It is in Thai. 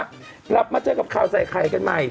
กลับมาเจอกับข่าวใส่ไข่กันใหม่